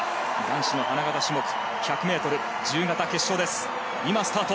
男子の花形種目１００ｍ自由形決勝です。